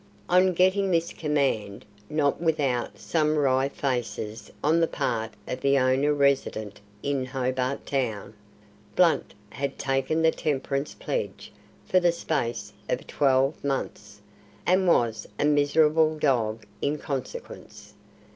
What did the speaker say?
On getting this command not without some wry faces on the part of the owner resident in Hobart Town Blunt had taken the temperance pledge for the space of twelve months, and was a miserable dog in consequence.